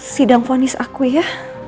sidang ponis aku ya